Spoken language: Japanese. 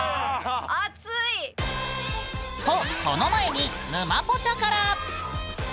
あつい！とその前に「ぬまポチャ」から！